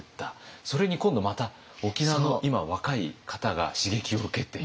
それに今度また沖縄の今若い方が刺激を受けている。